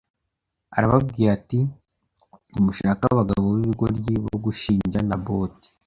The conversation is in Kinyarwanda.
arababwira ati mushake abagabo b’ibigoryi bo gushinja Naboti